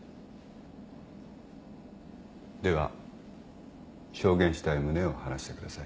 では証言したい旨を話してください。